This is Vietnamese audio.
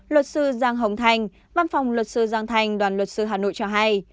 luật sư giang hồng thành văn phòng luật sư giang thành đoàn luật sư hà nội cho hay